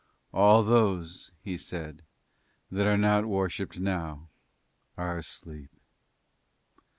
"All those," he said, "that are not worshipped now are asleep."